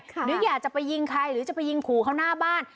หรืออยากจะไปยิงใครหรือจะไปยิงขู่เขาหน้าบ้าน